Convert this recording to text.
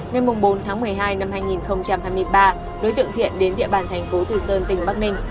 ngày bốn tháng một mươi hai năm hai nghìn hai mươi ba đối tượng thiện đến địa bàn thành phố từ sơn tỉnh bắc ninh